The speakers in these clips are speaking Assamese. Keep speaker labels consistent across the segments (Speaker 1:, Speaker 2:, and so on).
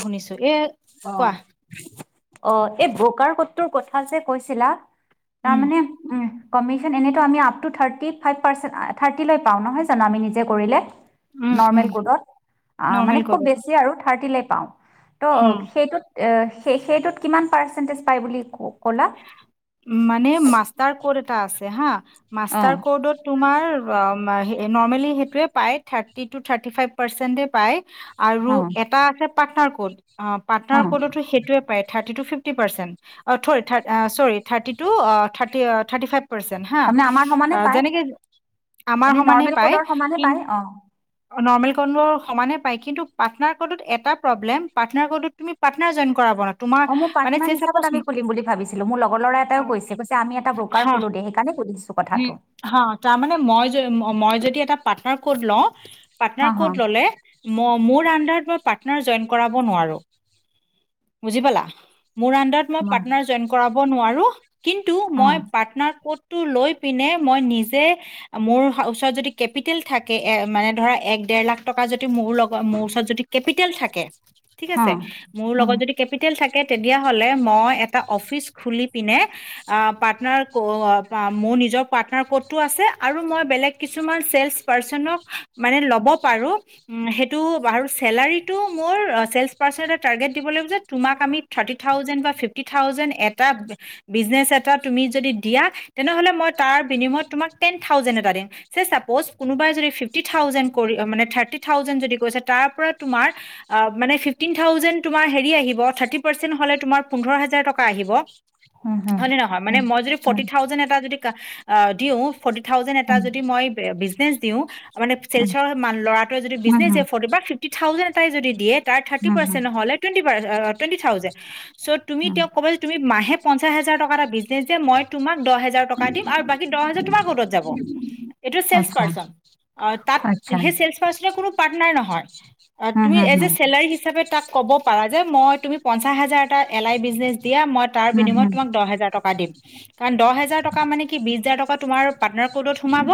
Speaker 1: শুনিছো এ
Speaker 2: অ!
Speaker 1: কোৱা
Speaker 2: অঁ। এই ব্ৰকাৰ কটটোৰ কথা যে কৈছিলা
Speaker 1: উম
Speaker 2: তাৰমানে, উম কমিশ্যন এনেইো আমি up to thirty five percent অহ্ থাৰ্টিলৈ পাওঁ নহয় জানো আমি নিজে কৰিলে,
Speaker 1: উম উম
Speaker 2: নৰ্মেল ক'ডত, আ মানে
Speaker 1: নৰ্মেল
Speaker 2: খুব
Speaker 1: কৰোঁ
Speaker 2: বেছি আৰু থাৰ্টিলে পাওঁ, ত'
Speaker 1: উম
Speaker 2: সেইটোত এ সেইটোত কিমান পাৰ্চেন্টেজ পাই বুলি কও
Speaker 1: মানে মাষ্টাৰ ক'ড এটা আছে হা,
Speaker 2: অ
Speaker 1: মাষ্টাৰ ক'ৰ্ডত তোমাৰ অব্ অ্ নৰ্মেলি সেইতুৱে পায়, থাৰ্টি টো থাৰ্টি ফাইভ পাৰ্চেন্টে পায় আৰু
Speaker 2: অ
Speaker 1: এটা আছে পাৰ্টনাৰ কোড, অ পাৰ্টনাৰ ক'ডতো সেইোৱে পায়, thirty to fifty percent অ ঠৰি থাৰ্ট চৰি থাৰ্টি টু অ থাৰ্টি থাৰ্টি ফাইভ পাৰ্চেণ্ট হা।
Speaker 2: তাৰমানে আমাৰ সমানে পায়
Speaker 1: যেনেকে আমাৰ
Speaker 2: এনে
Speaker 1: সমানে
Speaker 2: নৰ্মেল
Speaker 1: পায়
Speaker 2: কোডৰ সমানে
Speaker 1: কিন্
Speaker 2: পায় অ
Speaker 1: অ নৰ্মেল কনবৰ সমানে পায়, কিন্তু পাৰ্টনাৰ ক'ডত এটা প্ৰব্লেম, পাৰ্টনাৰ ক'ডত তুমি পাৰ্টনাৰ জইন কৰাব ন তোমাৰ
Speaker 2: অ মোৰ
Speaker 1: মানে
Speaker 2: পাৰ্টনাৰ
Speaker 1: চে
Speaker 2: হিচাপত
Speaker 1: চাপজ
Speaker 2: আমি খুলিম বুলি ভাবিছি লোঁ। মোৰ লগ ল'ৰা এটাইও কৈছে, কৈছে আমি এটা ব্ৰকাৰ খোলো দে সেইকাৰণে শুধিছো
Speaker 1: উম হাঁ। তাৰ মানে মই যে ম- মই যদি এটা পাৰ্টনাৰ ক'ড লওঁ-
Speaker 2: হা
Speaker 1: পাৰ্টনাৰ
Speaker 2: হা
Speaker 1: ক'ড ললে, ম- মোৰ আন্ডাৰত মই পাৰ্টনাৰ জইন কৰাব নোৱাৰো। বুজি পালা? মোৰ আন্ডাৰত মই
Speaker 2: তোমাৰ
Speaker 1: পাৰ্টনাৰ জইন কৰাব নোৱাৰো, কিন্তু
Speaker 2: অ
Speaker 1: মই পাৰ্টনাৰ ক'ডটো লৈ- পিনে মই নিজে মোৰ হ ওচৰত যদি কেপিটেল থাকে এ মানে ধৰা এক ডেৰ লাখ টকা য- দি মোৰ লগ মোৰ ওচৰত যদি কেপিটেল থাকে, ঠিক
Speaker 2: আচ্ছা,
Speaker 1: আছে? মোৰ লগত যদি কেপিটেল থাকে- তেতিয়া হ'লে মই এটা অফিচ খুলি পিনে আঁ পাৰ্টনাৰ ক অ মোৰ নিজ- জৰ পাৰ্টনাৰ ক'ডটো আছে আৰু মই বেলেগ কিছুমান ছেলচ পাৰ্চনক মানে ল'ব পাৰো উম সেইটো আৰু চেলাৰটো মোৰ ছেলচ পাৰ্চনে টাৰ্গেট দিব লাগিব যে তোমাক আমি থাৰ্টি থাউজেণ্ড বা ফিফটি থাউজেণ্ড এটা বিজনেছ এটা তুমি যদি দিয়া, তেনেহলে মই- তাৰ বিনিময়ত তোমাক টেন থাউজেণ্ড এটা দিম, যে চাপজ কোনোবাই যদি ফিফটি থাউজেণ্ড কৰি অ মানে থাৰ্টি থাউজেণ্ড যদি কৰিছে তাৰ পৰা তোমাৰ আ মানে ফিফটিন থাউজেণ্ড তোমাৰ হেৰি আহিব থাৰ্টি পাৰ্চেন্ট হ'লে তোমাৰ পোন্ধৰ হাজাৰ টকা আহিব। হয় নে নহয়? মানে মই যদি ফৰ্টি থাউজেণ্ড এটা যদি- আ দিও, ফৰ্টি থাউজেণ্ড এটা যদি মই বে বিজনেছ- দিওঁ মানে ছেলচৰ মান লৰাটোৱে যদি বিজনেছ দিয়ে ফৰ্টি বা ফিফটি থাউজেণ্ড- তাই যদি দিয়ে তাৰ থাৰ্টি পাৰ্চেন্ট হলে টোৱেণ্টী পাৰ, আ টোৱেণ্টী থাউজেণ্ড, চ, তুমি তেওঁক কবা যে তুমি মাহে- পঞ্চাশ হাজাৰ টকাটা বিজনেছ দিয়ে মই তোমাক- দহেজাৰ টকা- কা দিম আৰু বাকী দহ হাজাৰ তোমাৰ ক'ডত যাব, এইটো চেলছ পাৰ্চন, অ তাক,
Speaker 2: আচ্ছা।
Speaker 1: সেই চেলছ পাৰ্চনে কোনো পাৰ্টনাৰ নহ- হয়। অ
Speaker 2: হুম,
Speaker 1: তুমি
Speaker 2: হুম,
Speaker 1: এজ এ
Speaker 2: হুম।
Speaker 1: চেলাৰী হিচাপে তাক- ক'ব পাৰা যে মই তুমি পঞ্চাশ হাজাৰ- টা এলাই বিজনেছ দিয়ে, মই তাৰ
Speaker 2: হুম,
Speaker 1: বিনিময়ত
Speaker 2: হুম,
Speaker 1: তোমাক দহ হাজাৰ টকা দিম, কাৰণ দহ হাজাৰ টক- কা মানে কি বিশ হাজাৰ টকা- তোমাৰ- পাৰ্টনাৰ ক'ডত সোমাব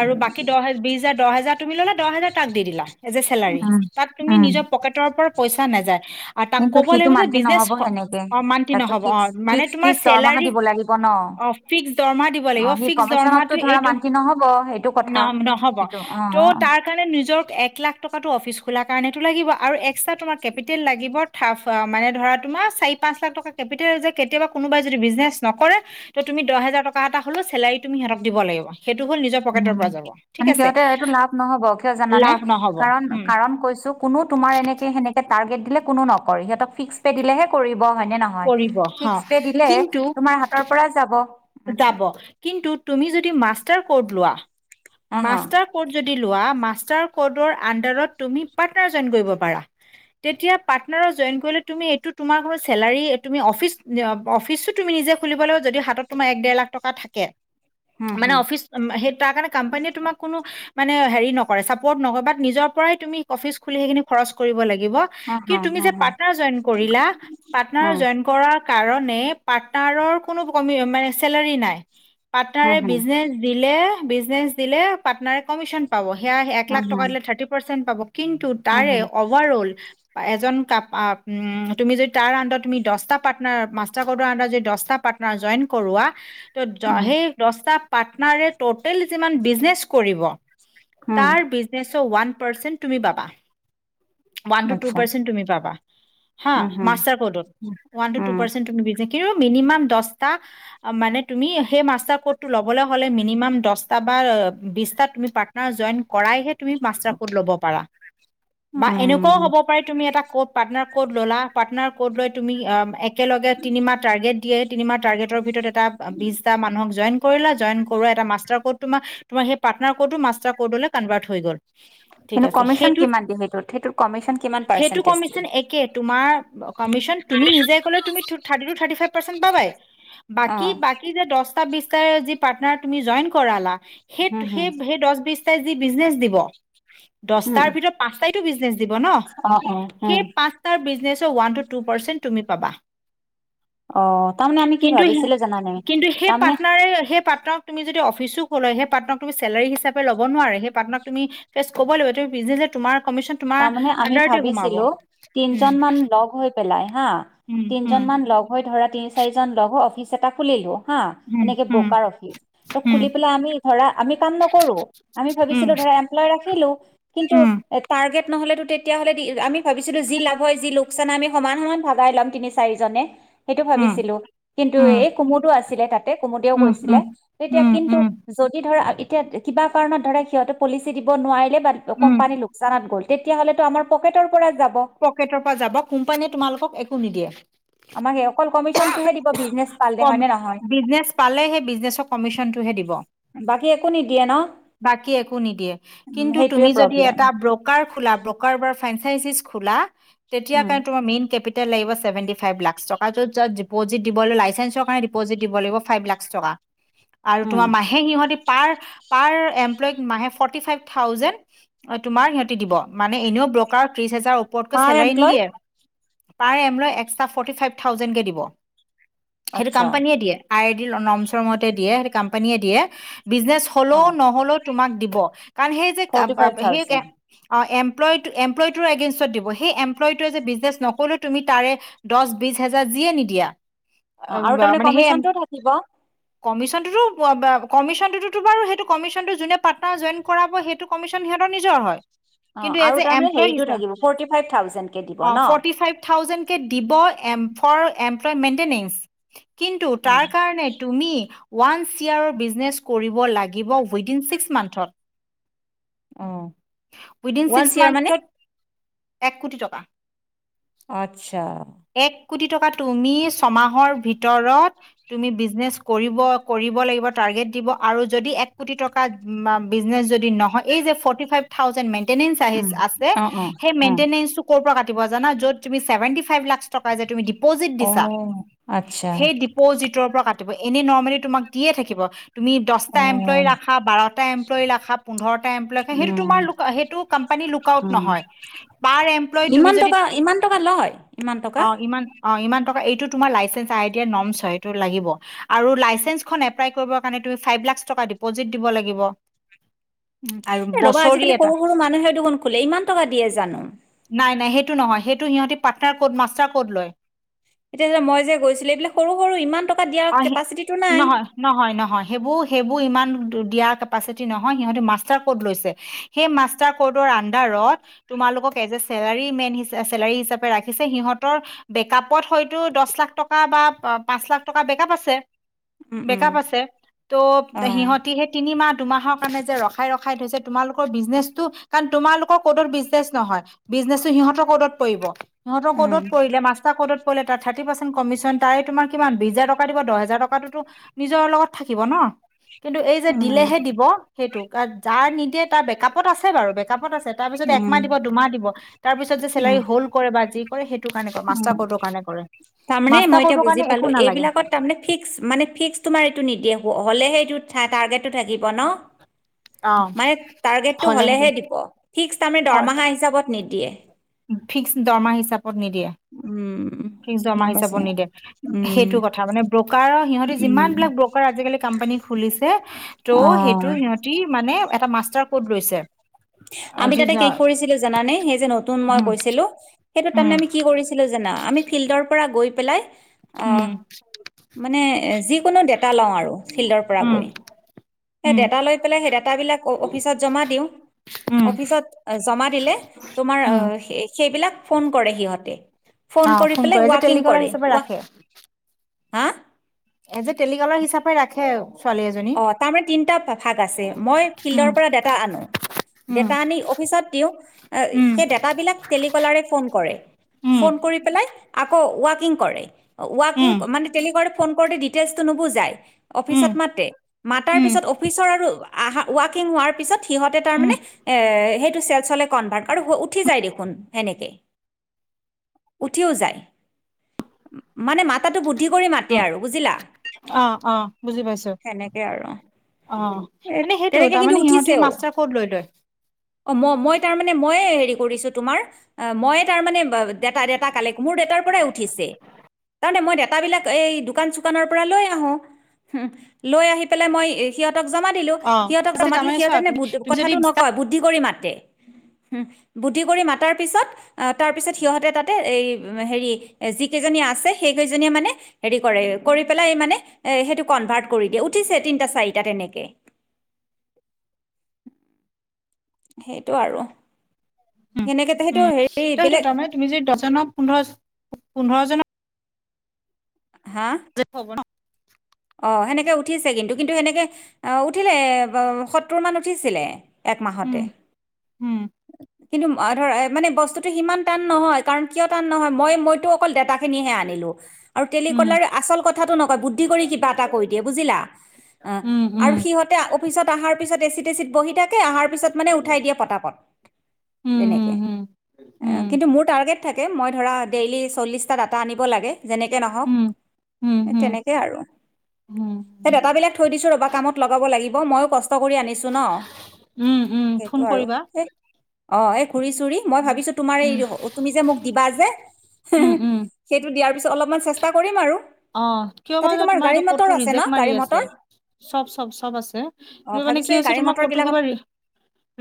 Speaker 1: আৰু বাকী দহ -বিশ হাজাৰ দহ হাজাৰ তুমি ললা, দহ হাজাৰ তাক দি দিলা, এজ এ চেলাৰী।
Speaker 2: উম,
Speaker 1: তাত তুমি
Speaker 2: উম।
Speaker 1: নিজৰ পকেটৰ পৰা পইচা নাযায়। আৰু তাক
Speaker 2: কিন্তু
Speaker 1: ক'ব
Speaker 2: সিতো
Speaker 1: লাগিব যে
Speaker 2: মান্তি
Speaker 1: বিজনেছ
Speaker 2: নহব সেনেকে,
Speaker 1: অ মান্থলি
Speaker 2: তাক ত'
Speaker 1: নহ'ব অ
Speaker 2: ফিক্স
Speaker 1: মানে
Speaker 2: ফিক্স
Speaker 1: তোমাৰ
Speaker 2: ফিক্স দৰমহা
Speaker 1: চেলাৰী
Speaker 2: দিব লাগিব ন
Speaker 1: অ ফিক্স দৰমহা দিব লাগিব,
Speaker 2: অ' সি
Speaker 1: ফিক্স
Speaker 2: কমিশনতটো
Speaker 1: দৰমহাটো
Speaker 2: ধৰা
Speaker 1: এইটো
Speaker 2: মান্তি নহ'ব সেইটো কথা।
Speaker 1: ন নহ'ব
Speaker 2: সেইটো
Speaker 1: ত'
Speaker 2: অ'।
Speaker 1: তাৰ কাৰণে নিজৰ এক লাখ টকাটো অফিচ খোলাৰ কাৰণে- টো লাগিব আৰু এক্সট্ৰা তোমাৰ কেপিটেল লাগিব, থাফ মানে তোমাৰ চাৰি-পাঁচ লাখ টকা কেপিটেল যে কেতিয়াবা কোনোবাই যদি বিজনেছ নকৰে- ত তুমি দহ হাজাৰ টকা এটা হ'লেও চেলাৰী তুমি সিহঁতক দিব লাগিব। সেইটো হ'ল নিজৰ পকেটৰ
Speaker 2: উম,
Speaker 1: পৰা যাব ঠিক
Speaker 2: মানে
Speaker 1: আছে
Speaker 2: সিহঁতে এইটো লাভ নহব কিয় জানানে,
Speaker 1: লাভ নহ'ব
Speaker 2: কাৰণ
Speaker 1: উম
Speaker 2: কাৰণ কৈছো কোনো তোমাৰ এনেকে সেনেকে টাৰ্গেট দিলে কোনো নকৰে সিহঁতক ফিক্স কে দিলেহে কৰিব। হয় ন নহয়,
Speaker 1: কৰিব হা
Speaker 2: ফিক্স পে দিলে
Speaker 1: কিন্তু
Speaker 2: তোমাৰ হাতৰ পৰা যাব। উম
Speaker 1: যাব, কি কিন্তু তুমি যদি মাষ্টাৰ কড লোৱা
Speaker 2: হা হা
Speaker 1: মাষ্টাৰ কড যদি লোৱা মাষ্টাৰ কডৰ আণ্ডাৰত তুমি পা জইন কৰিব পাৰা, তেতিয়া পাৰ্টনাৰত জইন কৰিলে তুমি এইটো তোমাৰ কোনো চেলাৰী এ তুমি অফিচ, যে অফিচো তুমি নিজে খুলিবলৈ যদি হাতত তোমাৰ এক ডেৰ লাখ টকা থাকে।
Speaker 2: হুম
Speaker 1: মানে
Speaker 2: হুম
Speaker 1: অফিচ, সেই তাৰ কাৰণে কোম্পানীয়ে তোমাক কোনো মানে হেৰি নকৰে ছাপৰ্ট নকৰে বাট নিজৰ পৰাই তুমি অফিচ খুলি সেইখিনি খৰচ কৰিব লাগে। গিব,
Speaker 2: হা
Speaker 1: কি
Speaker 2: হা
Speaker 1: তুমি
Speaker 2: হা
Speaker 1: যে
Speaker 2: হা
Speaker 1: পাৰ্টনাৰ জইন কৰিলা, পাৰ্টনাৰ
Speaker 2: উম
Speaker 1: জইন কৰাৰ কাৰণ মানে পাৰ্টনাৰৰ কোনো ভূমি মানে চেলাৰী নাই।
Speaker 2: হুম
Speaker 1: পাৰ্টনাৰে
Speaker 2: হুম
Speaker 1: বিজনেচ দিলে বিজনেছ দিলে পাৰ্টনাৰে কমিশন পাব। সেয়া এক
Speaker 2: উম
Speaker 1: লাখ টকা
Speaker 2: হুম
Speaker 1: দিলে থাৰ্তি পাৰ্ছেন্ট। পাব। কিন্তু
Speaker 2: হুম
Speaker 1: তাৰে
Speaker 2: হুম
Speaker 1: অভাৰঅল। এজন কাপ তুমি যদি তাৰ আণ্ডৰত তুমি দছটা পাৰ্টনাৰ মাষ্টাৰ কৰ্ডৰ আণ্ডৰত যদি দছটা পাৰ্টনাৰ জইন কৰোৱা। ত জ
Speaker 2: উম
Speaker 1: সেই দস্তা পাৰ্টনাৰে ট'টেল যিমান বিজনেচ কৰিব।
Speaker 2: হুম
Speaker 1: তাৰ বিজনেছ ওৱান পৰচেন্ট তুমি পাবা। ওৱান টো তো
Speaker 2: আচ্ছা
Speaker 1: পৰচেন্ট তুমি পাবা হা
Speaker 2: উম হুম
Speaker 1: মাষ্টাৰ কৰ্ডত
Speaker 2: উম
Speaker 1: ওৱান টো তো
Speaker 2: উম
Speaker 1: তুমি বিজ কিয় মিনিমাম দছটা। মানে তুমি সেই মাষ্টাৰ কৰ্ডটো লবলে হ'লে মিনিমাম দছটা বা বিছটা পাৰ্টনাৰ ‌জইন কৰাইহে তুমি মাষ্টাৰ কৰ্ড ল'ব পাৰা। বা এনেকুৱাও
Speaker 2: উম।
Speaker 1: হ'ব পাৰে তুমি এটা কৰ্ড পাৰ্টনাৰ কৰ্ড ল'লা পাৰ্টনাৰ কৰ্ড লৈ তুমি অ একেলগ তিমাহ টাৰ্গেট দিয়ে তিনিমাহ টাৰ্গেট ভিতৰততে। বিছটা মানুহক জইন কৰিলা জইন এটা মাষ্টাৰ কৰ্ড তোমাৰ সেই পাৰ্টনাৰ কৰ্ডো মাষ্টাৰ কৰ্ডলে কনভাৰট হৈ গ'ল। ঠিক
Speaker 2: কিন্তু
Speaker 1: আছে
Speaker 2: কমিশ্যন
Speaker 1: সেইটো
Speaker 2: কিমান দিয়ে সেইটোত সেইটোত কমিশ্যন কিমান
Speaker 1: সেইটো
Speaker 2: পাৰ্চেন্টেজ দিয়ে
Speaker 1: কমিশন একে তোমাৰ কমিশন তুমি নিজে ক'লে তুমি থাৰ্ট থাৰ্টী ফাইভ পাৰ্চেন্ট পাবাই।
Speaker 2: অ
Speaker 1: বাকী বাকি যে দছ যি পাৰ্টনাৰ তুমি জইন কৰালা সেই
Speaker 2: হুম হুম
Speaker 1: সেই সেই দছ বিশ যি বিজনেচ দিব
Speaker 2: উম
Speaker 1: দটাৰ ভিতৰত পাঁচটাইো বিজনেচ দিব ন
Speaker 2: অ অ
Speaker 1: সেই
Speaker 2: উম
Speaker 1: পাঁচটাৰ বিজনেচৰ উৱান তো পাৰ্চেন্ট তুমি পাবা।
Speaker 2: অ'- তাৰমানে আমি কি
Speaker 1: কিন্তু
Speaker 2: ভাবিছিলো জানানে
Speaker 1: কিন্তু, সেই
Speaker 2: তাৰমানে
Speaker 1: পাৰ্টনাৰে সেই পাৰ্টনাৰক তুমি যদি অফিচো ক'লে সেই পাৰ্টনাৰক তুমি চেলাৰি হিচাপ ল'ব নোৱাৰে সেই পাৰ্টনাৰক তুমি কব লাগিব তোমাৰ কমিশ্যন তোমাৰ
Speaker 2: তাৰমানে আমি
Speaker 1: আণ্ডাৰতে সোমাব
Speaker 2: ভাবিছিলো তিনজন মান লগ হৈ পেলাই হা তিনজন মান লগ হৈ ধৰাত তিনি চাৰিজন লগ হৈ অফিচ এটা খুলিলো। হা এনেকে ব্ৰকাৰ ৰাখি অফিচ খুলি পেলাই আমি ধৰা আমি কাম নকৰো আমি ভাবিছিলো ধৰা এমপ্লয় ৰাখিলো কিন্তু, টাৰ্গেট নহ'লেতো তেতিয়াহ'লে আমি ভাবিছিলো যি লাভ হয় যি লোকচান হয় আমি সমান সমান ভাই লম তিনি চাৰিজনে। সেইটো ভাবিছিলো কিন্তু এই কুমুদো আছিলে তাতে কুমুদেও কৈছিলে তেতিয়া কিন্তূ, যদি ধৰা এতিয়া কিবা কাৰণত ধৰা সিহঁতে পলিচি দিব নোৱাৰিলে। তাত কোম্পানী লোক, তাত গল' তেতিয়াহলেতো আমাৰ পকেটৰ
Speaker 1: পকেটৰ পৰা যাব কোম্পানীয়ে তোমালোকক একো নিদিয়ে,
Speaker 2: আমাক এই অকল কমিশনটোহে দিব বিজনেচ পালে
Speaker 1: কম
Speaker 2: হয় নে নহয়
Speaker 1: বিজনেছ পালেহে বিজনেছৰ কমিছনটোহে দিব
Speaker 2: বাকী একো নিদিয়ে ন
Speaker 1: বাকী একো নিদিয়ে
Speaker 2: উম
Speaker 1: কিন্তু
Speaker 2: সেইটোৱে
Speaker 1: তুমি যদি
Speaker 2: প্ৰব্লেম
Speaker 1: এটা ব্ৰকাৰ খোলা ব্ৰকাৰ পৰা ফাইঞ্চাইচিছ খোলা তেতিয়া
Speaker 2: উম
Speaker 1: কান তোমাৰ মেইন কেপিত তে লাগিব চেভেন্তি ফাইভ লাক্স টকা জ যত ডিপিট দিবলে লাইচেঞ্চৰ কাৰনে ডিপ'জিত দিব লাগিব ফাইভ লাক্স টকা আৰু
Speaker 2: উম
Speaker 1: তোমাৰ মাহেক সিহতি পাৰ পাৰ এমপ্লইক মাহে ফৰ্তি ফাইভ থাউজেণ্ড তোমাৰ সিহঁতি দিব মানে এনেও ব্ৰকাৰ ক্ৰিছ, তাৰ ওপৰতকৈ
Speaker 2: পাৰ
Speaker 1: চেলাৰী
Speaker 2: এমপ্লয়
Speaker 1: নিদিয়ে, প্ৰায় এম লৈ এক্সট্ৰা ফ'ৰ্টি ফাইভ থাউজেণ্ডকে দিব সেইটো
Speaker 2: আচ্ছা
Speaker 1: কম্পানীয়ে দিয়ে। আইৰ ডিৰ ন নমছৰ মতে দিয়ে সেই কম্পানীয়ে দিয়ে বিজনেছ হলৌ
Speaker 2: অ
Speaker 1: নহলৌ তোমাক দিব। কাৰণ সেই যে কা
Speaker 2: ফৰ্টি
Speaker 1: পা
Speaker 2: ফাইভ
Speaker 1: সেই কে
Speaker 2: থাউজেণ্ড
Speaker 1: অ' এম প্লইড টো এমপ্লইড টোৰ এগেইঞ্চতত দিব সেই এমপ্লইটোৱে যে বিজনেছ নকৰিলো তুমি তাৰে দচ বিছ হেজাৰ যিয়ে নিদিয়া
Speaker 2: অঁ আৰু তাৰমানে কমিশনটো থাকিব।
Speaker 1: কমিশ্যনটোতো প বা কমিশ্যনটোতো বাৰু সেইটো কমিশ্যনটো যোনে পাটনাৰ জইন কৰাব সেইটো কমিশ্যন সিহঁতৰ নিজৰ হয়।
Speaker 2: অ
Speaker 1: কিন্তু, এজ
Speaker 2: আৰু
Speaker 1: এ
Speaker 2: তাৰমানে
Speaker 1: এমপ্লয়
Speaker 2: হেৰিটো
Speaker 1: হিচাপে
Speaker 2: ফৰ্টি ফাইভ থাউজেণ্ড কে দিব ন।
Speaker 1: কে দিব, এম্ফৰ এমপ্লই মেন্তেনেইছ। কিন্তু,
Speaker 2: উম
Speaker 1: তাৰ কাৰণে তুমি ৱানছ য়েৰৰ বিজনেছ কৰিব লাগিব, উইডিন ছিক্স মান্থত।
Speaker 2: অঁ
Speaker 1: উইডিন ছিক্স মান্থত এক কোটি টকা।
Speaker 2: আত্ছা।
Speaker 1: এক কোটি টকা তুমি ছমাহৰ ভিতৰত তুমি বিজনেচ কৰিব-কৰিব লাগিব টাৰ্গেট দিব, আৰু যদি এক কোটি টকাৰ বা বিজনেছ যদি নহয় এই যে forty five thousand maintenance আহিছ
Speaker 2: উম
Speaker 1: আছে
Speaker 2: অ অ
Speaker 1: সেই
Speaker 2: অ
Speaker 1: মেইন্তেনেনছ টো ক'ৰ পৰা কাটিব জানা য'ত তুমি চেভেন্তি ফাইভ লাখ টকা যে তুমি ডিপজিট
Speaker 2: অ
Speaker 1: দিচা,
Speaker 2: আচ্ছা
Speaker 1: সেই ডিপজিটৰ পৰা কাত এনে নৰ্মেলি তোমাক দিয়ে থাকিব। তুমি দহটা এমপ্লয়ী
Speaker 2: অ
Speaker 1: ৰাখা বাৰটা এমপ্লয়ী ৰাখা পোন্ধৰটা এমপ্লয় ৰাখা সেইটো তোমাৰ
Speaker 2: উম,
Speaker 1: সেইটো কোম্পানীৰ লুক আউট
Speaker 2: উম,
Speaker 1: নহয় পাৰ এমপ্লয়ী তুমি
Speaker 2: ইমান
Speaker 1: যদি
Speaker 2: টকা ইমান টকা লয় ইমান টকা?
Speaker 1: অঁ ইমান অঁ ইমান টকা এইটো তোমাৰ লাইচেন্স আই এতিয়া নমছ হয় এইটো লাগিব আৰু লাইচেন্স খন এপলাই কৰিব কাৰণে তুমি ফাইভ লাখচ টকা তুমি ডিপজিত দিব লাগিব।
Speaker 2: উম,
Speaker 1: আৰু
Speaker 2: ৰ'বা
Speaker 1: বছৰি
Speaker 2: আজিকালি
Speaker 1: এটা
Speaker 2: সৰু -সৰু মানুহে দেখোন খোলে, ইমান টকা দিয়ে জানো।
Speaker 1: নাই নাই সেইটো নহয় সেইটো সিহঁতি পাৰ্নাৰ ক'ত মাষ্টাৰ ক'দ লয়
Speaker 2: এতিয়া যে মই যে গৈছিলো এইবিলাক সৰু- সৰু ইমান টকা
Speaker 1: অ
Speaker 2: দিয়াৰ
Speaker 1: সি
Speaker 2: কেপাচিটিটো নাই।
Speaker 1: নহয় নহয় নহয় সেইবোৰ সেইবোৰ ইমান দিয়া কেপাচিটি নহয় সিহঁতে মাষ্টাৰ কৰ্ড লৈছে, সেই মাষ্টাৰ কৰ্ডৰ আন্দাৰত তোমালোকক as a salary man salary হিচাপে ৰাখিছে সিহঁত ৰ বেকাপত হয়তো দছ লাখ টকা বা পাঁচ লাখ টকা বেকাপ আছে।
Speaker 2: উম,
Speaker 1: বেক
Speaker 2: উম,
Speaker 1: আপ আছে, ত'
Speaker 2: অ',
Speaker 1: সিহতি সেই তিনিমাহ দুমাহৰ কাৰণে যে ৰখাই-ৰখাই থৈছে, তোমালোকৰ বিজনেচটো কাৰণ তোমালোকৰ ক'ডত বিজনেচ নহয়। বিজনেছটো সিহঁতৰ ক'ডত পৰিব। সিহঁতৰ ক'ড
Speaker 2: উম,
Speaker 1: কৰিলে মাষ্টাৰ ক'ডত ক'লে তাৰ থাৰটি পাৰ্চেন কমিশন তাৰে তোমাৰ কিমান বিচ হাজাৰ টকা দিব দহ হাজাৰ টকাতোটো নিজৰ লগত থাকিব ন কিন্তু এই যে
Speaker 2: উম,
Speaker 1: দিলেহে দিব। সেইটো কাৰ যাৰ নিদিয়ে তাৰ বেকআপত আছে বাৰু বেকআপত আছে, তাৰ পিছত
Speaker 2: উম,
Speaker 1: একমাহ দিব দুমাহ দিব তাৰ পিছত যে চেলাৰী
Speaker 2: উম,
Speaker 1: হল্ কৰে বা যি, কৰে সেই কাৰণে ক মাষ্টাৰ
Speaker 2: উম।
Speaker 1: ক'ডৰ কাৰণে কৰে,
Speaker 2: তাৰমানে
Speaker 1: মাষ্টাৰ
Speaker 2: মই এতিয়া
Speaker 1: ক'ডৰ
Speaker 2: বুজি
Speaker 1: কাৰণে একো
Speaker 2: পালো
Speaker 1: নালাগে
Speaker 2: এইবিলাকত তাৰমানে ফিক্স মানে ফিক্স তোমাৰ এইটো নিদিয়ে হলে। হলে এইটো টাৰৰ্গেতটো থাকিব নহ,
Speaker 1: অ
Speaker 2: মানে টাৰগেটটো হলেহে
Speaker 1: হ'লে
Speaker 2: দিব ফিক্স তামানে দৰমহা হিচাপত নিদ দিয়ে।
Speaker 1: ফিক্স দৰমহা হিচাপত নিদিয়ে।
Speaker 2: উম,
Speaker 1: হা
Speaker 2: গম পাইছো
Speaker 1: হিচাপত নিদিয়ে
Speaker 2: উম।
Speaker 1: সেইটো কথা মানে ব্ৰকাৰৰ সিহঁতে
Speaker 2: উম
Speaker 1: যিমান বিলাক ব্ৰকাৰ আজিকালি কোম্পানী খুলিছে। ত'
Speaker 2: অ
Speaker 1: সেইটো সিহঁতি মানে এটা মাষ্টাৰ, ফুট ৰৈছে।
Speaker 2: আমি তাতে কি কৰিছিলো জানানে, সেই যে নতুন মই গৈছিলোঁ, সেইটো তাতে
Speaker 1: উম,
Speaker 2: আমি কি কৰিছিলো জানা, আমি ফিল্ডৰ পৰা গৈ পেলাই
Speaker 1: উম,
Speaker 2: অঁ
Speaker 1: উম,
Speaker 2: মানে যি কোনো এটা লওঁ আৰু ফিল্ডৰ পৰা
Speaker 1: উম,
Speaker 2: গৈ। সেই
Speaker 1: উম,
Speaker 2: ডাটা লৈ পেলাই সেই ডেতাবিলাক অফিচত জমা দিওঁ,
Speaker 1: উম,
Speaker 2: অফিচত জমা দিলে তোমাৰ
Speaker 1: উম,
Speaker 2: সেইবিলাক ফোন কৰে সিহঁতে, ফোন
Speaker 1: অ'
Speaker 2: কৰি পেলাই
Speaker 1: কৰে যে
Speaker 2: ৱাকিং
Speaker 1: টেলিকলাৰ
Speaker 2: কৰে।
Speaker 1: হিচাপে
Speaker 2: ৱা
Speaker 1: ৰাখে।
Speaker 2: হা?
Speaker 1: এজ এ টেলিকলাৰ হিচাপে ৰাখে আৰু।
Speaker 2: অ' তাৰমানে তিনিটা ভাগ আছে মই
Speaker 1: উম,
Speaker 2: ফিল্ডৰ পৰা ডাটা আনো,
Speaker 1: উম,
Speaker 2: ডাটা আনি অফিচত দিওঁ
Speaker 1: উম,
Speaker 2: সেই ডেতাবিলাক টেলিকলাৰে ফোন কৰে,
Speaker 1: উম,
Speaker 2: ফোন কৰি পেলাই আকৌ ৱাকিং কৰে। ৱাকিং
Speaker 1: উম,
Speaker 2: মানে টেলিকলাৰটো ফোন কৰোঁতে দি কেচটো নুবুজায়।
Speaker 1: উম,
Speaker 2: অফিচত মাতে। মাতাৰ
Speaker 1: উম,
Speaker 2: পিছত অফিচৰ আৰু ৱাকিং হোৱাৰ পিছত সিহঁতে তাৰ মানে
Speaker 1: উম,
Speaker 2: এ সেইটো ছেলচলে কনভাৰ্ট আৰু উঠি যায় দেখোন তেনেকে, উঠিও যায়। মানে মাতাটো বুদ্ধি কৰি মাতে
Speaker 1: উম,
Speaker 2: আৰু বুজিলা।
Speaker 1: অ', অ' বুজি পাইছো।
Speaker 2: তেনেকে আৰু,
Speaker 1: অ' মানে সেইটো
Speaker 2: তেনেকে কিন্তু
Speaker 1: তাৰমানে সিহঁতি
Speaker 2: উঠিছেও।
Speaker 1: মাষ্টাৰ ক'ড লৈ লয়।
Speaker 2: অঁ ম মই তাৰমানে ম ময়ে হেৰি কৰিছো তোমাৰ, মই তাৰ মানে ডাটা ডাটা কালেক্ট, মোৰ দেটাৰ পৰাই উঠিছে তাৰমানে মই দেটাবিলাক এই দোকান চোকানৰ পৰা লৈ আহো। লৈ আহি পেলাই মই সিহঁ সিহঁতক জমা দিলো,
Speaker 1: অ
Speaker 2: সিহঁতক জমা দিলে
Speaker 1: তাৰমানে
Speaker 2: সিহঁতে
Speaker 1: চোৱা তুমি তুমি যদি
Speaker 2: কথাটো
Speaker 1: বিশটা
Speaker 2: নকয়, বুদ্ধি কৰি মাত বুদ্ধি কৰি মাতাৰ পিছত তাৰ পিছত সিহতে তাতে এই হেৰি যি কেইজনী আছে সেই কেইজনীয়ে মানে হেৰি কৰে, কৰি পেলাই মানে সেইটো কন্ভাৰ্ত কৰি দিয়ে, উঠিছে তিনটা চাৰিটা তেনেকে। সেইটো আৰু।
Speaker 1: উম,
Speaker 2: সেনেকৈ সেইটো
Speaker 1: ত'
Speaker 2: হেৰি
Speaker 1: সেইটো
Speaker 2: বেলেগ
Speaker 1: তাৰমানে তুমি যদি দহজনক পোন্ধৰ পোন্ধৰ জনৰ
Speaker 2: হা
Speaker 1: [unintelligible]
Speaker 2: অঁ সেনেকে উঠিছে কিন্তু, কিন্তু সেনেকে উঠিলে সত্তৰ মান উঠিছিলে। একমাহতে।
Speaker 1: হম
Speaker 2: কিন্তু ধৰা মানে বস্তুটো সিমান টান নহয়, কাৰণ কিয় টান নহয় মই মইতো অকল দাটা খিনিহে আনিলো, আৰু
Speaker 1: উম
Speaker 2: টেলিকলাৰ আচল কথাটো নকয় বুদ্ধি কৰি কিবা এটা কৈ দিয়ে বুজিলা
Speaker 1: উম
Speaker 2: আৰু
Speaker 1: উম
Speaker 2: সিহঁতে অফিচত অহাৰ পিছত এচি তেচিত বহি থাকে অহাৰ পিছত মানে উঠাই দিয়ে পতাপত।
Speaker 1: উম উম
Speaker 2: তেনেকে,
Speaker 1: উম
Speaker 2: আ
Speaker 1: উম
Speaker 2: কিন্তু মোৰ টাৰ্গেট থাকে মই ধৰা ডেইলি চল্লিছটা ডাটা আনিব লাগে। যেনেকে নহওক
Speaker 1: উম উম উম
Speaker 2: তেনেকে আৰু
Speaker 1: উম উম
Speaker 2: সেই ডাটা বিলাক থৈ দিছো ৰবা। কামত লগাব লাগিব মইয়ো কষ্ট কষ্ট কৰি আনিছো ন
Speaker 1: উম উম
Speaker 2: সেইটো
Speaker 1: ফোন
Speaker 2: আৰু
Speaker 1: কৰিবা
Speaker 2: সেই অ' এই ঘূৰি চুৰি মই
Speaker 1: উম
Speaker 2: ভাবিছো তোমাৰ এই
Speaker 1: উম
Speaker 2: তুমি যে মোক দিবা যে হে
Speaker 1: উম
Speaker 2: হৈ
Speaker 1: উম
Speaker 2: সেইটো তাৰ পিছত অলপমান চেষ্টা কৰিম আৰু
Speaker 1: অ' কিয় বা
Speaker 2: তাতে
Speaker 1: তোমাৰ
Speaker 2: গাড়ী
Speaker 1: এইটো
Speaker 2: মটৰ
Speaker 1: কোডটো
Speaker 2: আছে ন
Speaker 1: ৰিজেক্ট মাৰি
Speaker 2: গাড়ী
Speaker 1: আছে।
Speaker 2: মটৰ
Speaker 1: চব-চব-চব আছে
Speaker 2: অ
Speaker 1: কিন্তু মানে
Speaker 2: ভাবিছো
Speaker 1: কি
Speaker 2: এই
Speaker 1: হৈছে
Speaker 2: গাড়ী
Speaker 1: তোমাৰ
Speaker 2: মটৰ
Speaker 1: কোডটো
Speaker 2: বিলাকত
Speaker 1: কিবা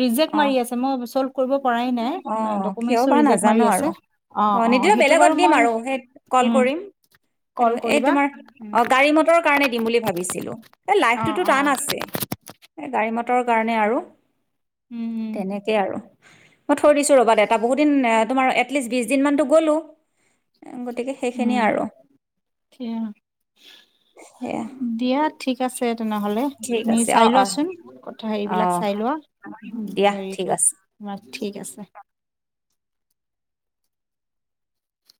Speaker 1: ৰিজেক্ট
Speaker 2: অ
Speaker 1: মাৰি আছে। মই ছ'লৰ্ভ কৰিব পৰাই নাই
Speaker 2: অ কিয়
Speaker 1: ডকুমেণ্টছো
Speaker 2: বা
Speaker 1: ৰিজেক্ট মাৰি
Speaker 2: নাজানো
Speaker 1: আছে
Speaker 2: আৰু
Speaker 1: অ', -অ'
Speaker 2: নিদিলেও
Speaker 1: সেইটো
Speaker 2: বেলেগত
Speaker 1: বাৰু
Speaker 2: দিম
Speaker 1: মই
Speaker 2: আৰু সেই কল কৰিম
Speaker 1: কল
Speaker 2: এই
Speaker 1: কৰিবা।
Speaker 2: তোমাৰ
Speaker 1: উম।
Speaker 2: অ' গাড়ী, মটৰৰ কাৰণে দিম বুলি ভাবিছিলো। এই
Speaker 1: অ',
Speaker 2: লাইফটোতো
Speaker 1: অ',
Speaker 2: টান আছে গাড়ী মট কাৰণে আৰু
Speaker 1: উম-উম।
Speaker 2: তেনেকেই আৰু মই থৈ দিছো ৰ'বা দে এটা বহুত দিন তোমাৰ এটলিষ্ট বিশ দিন মানতো গ'লো। এ, গতিকে সেইখিনি
Speaker 1: উম
Speaker 2: আৰু সেয়া
Speaker 1: দিয়া ঠিক [unintelligible] তেনেহ'লে
Speaker 2: ঠিক
Speaker 1: তুমি
Speaker 2: আছে
Speaker 1: চাই
Speaker 2: অ' অ'
Speaker 1: লোৱাচোন কথা হেৰিবিলাক
Speaker 2: অ'
Speaker 1: চাই লোৱা
Speaker 2: দিয়া ঠিক
Speaker 1: হেৰিটো
Speaker 2: আছে
Speaker 1: তোমাৰ ঠিক আছে।